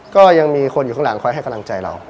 ก็ยังมีคนอยู่ข้างหลังคอยให้กำลังใจเรา